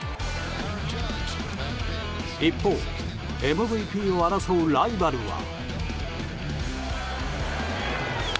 一方ＭＶＰを争うライバルは。